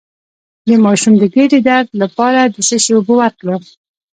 د ماشوم د ګیډې درد لپاره د څه شي اوبه ورکړم؟